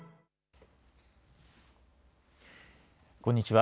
こんにちは。